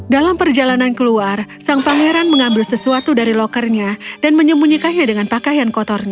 dalam perjalanan keluar sang pangeran mengambil sesuatu dari lokernya dan menyembunyikannya dengan pakaian kotornya